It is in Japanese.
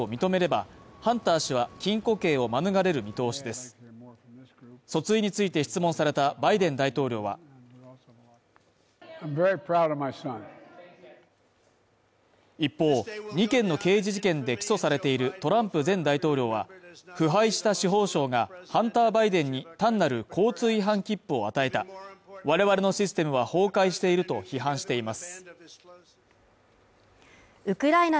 今後、裁判官が司法取引を認めれば、ハンター氏は、禁固刑をまぬがれる見通しです訴追について質問されたバイデン大統領は一方、２件の刑事事件で起訴されているトランプ前大統領は、腐敗した司法省がハンター・バイデンに単なる交通違反切符を与えた我々のシステムは崩壊していると批判しています。